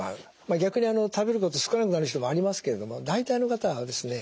逆に食べること少なくなる人もありますけども大体の方がですね